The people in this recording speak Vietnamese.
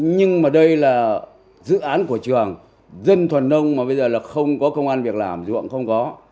nhưng mà đây là dự án của trường dân thuần nông mà bây giờ là không có công an việc làm ruộng không có